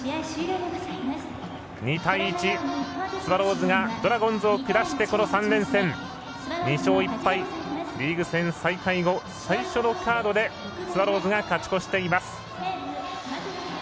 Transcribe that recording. ２対１、スワローズがドラゴンズを下してこの３連戦２勝１敗、リーグ戦再開後最初のカードでスワローズが勝ち越しています。